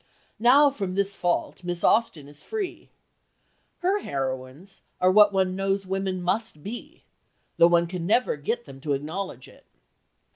Now from this fault Miss Austin is free. Her heroines are what one knows women must be, though one never can get them to acknowledge it."